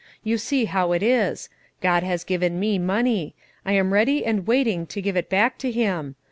You see how it is: God has given me money; I am ready and waiting to give it back to Him.